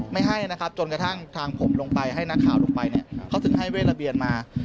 ไม่ให้นะครับจนกระทั่งทางผมลงไปให้นักข่าวลงไปเนี่ยเขาถึงให้เวทระเบียนมา